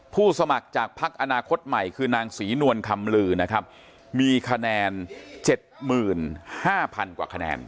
ผู้สมัครจากภักดิ์อนาคตใหม่คือนางศรีนวลคำลือนะครับมีคะแนนเจ็ดหมื่นห้าพันกว่าคะแนน